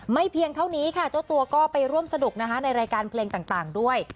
เพียงเท่านี้ค่ะเจ้าตัวก็ไปร่วมสนุกนะคะในรายการเพลงต่างด้วย